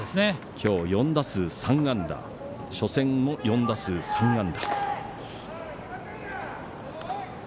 今日は４打数３安打初戦も４打数３安打。